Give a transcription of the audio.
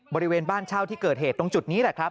บริเวณบ้านเช่าที่เกิดเหตุณตรงจุดนี้